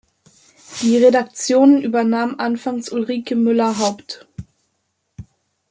Die Redaktion übernahm anfangs Ulrike Müller-Haupt.